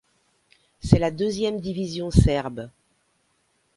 C'est la deuxième division serbe.